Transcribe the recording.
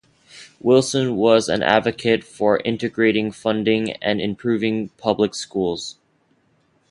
Wilson was an advocate for integrating, funding and improving public schools.